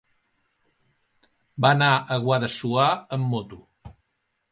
Va anar a Guadassuar amb moto.